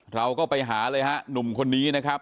เราก็ไปหาเลยฮะหนุ่มคนนี้นะครับ